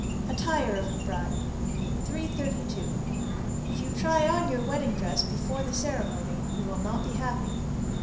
_ ATTIRE OF THE BRIDE. 332. If you try on your wedding dress before the ceremony, you will not be happy.